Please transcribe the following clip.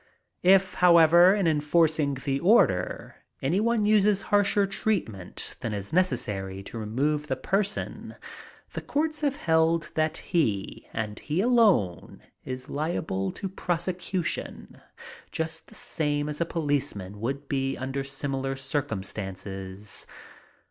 If, however, in enforcing the order, any one uses harsher treatment than is necessary to remove the person, the courts have held that he, and he alone is liable to prosecution, just the same as a policeman would be under similar circumstances.